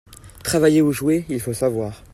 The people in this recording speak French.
Travailler ou jouer, il faut savoir.